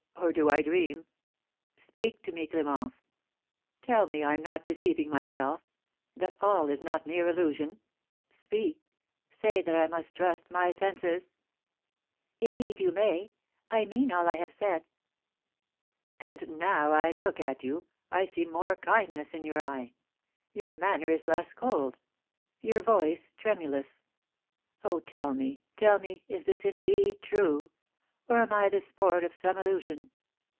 Or do I dream? Speak to me, Clémence! Tell me I am not deceiving myself, that all is not mere illusion! Speak! Say that I may trust my senses!" "Indeed you may; I mean all I have said." "And, now I look at you, I see more kindness in your eye, your manner is less cold, your voice tremulous. Oh, tell me, tell me, is this indeed true? Or am I the sport of some illusion?"